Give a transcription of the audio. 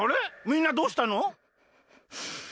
みんなどうしたの？